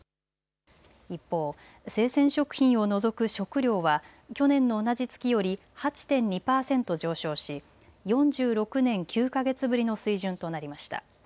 一方、生鮮食品を除く食料は去年の同じ月より８．２％上昇し４６年９か月ぶりの水準となりました。